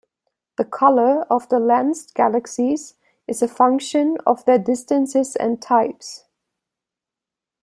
The color of the lensed galaxies is a function of their distances and types.